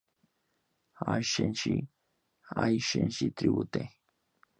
I, Senshi: Ai Senshi Tribute